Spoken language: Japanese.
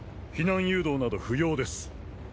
避難誘導など不要です。